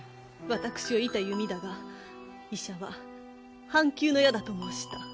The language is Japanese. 私を射た弓だが医者は半弓の矢だと申した。